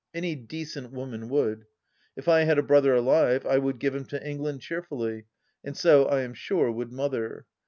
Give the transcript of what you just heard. Any decent woman would. If I had a brother alive, I would give him to England cheer fully, and so I am sure would Mother.